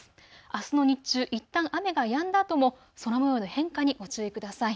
あすの日中、いったん雨がやんだあとも空もようの変化にご注意ください。